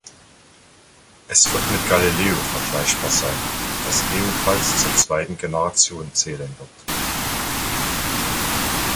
Es wird mit Galileo vergleichbar sein, das ebenfalls zur "zweiten Generation" zählen wird.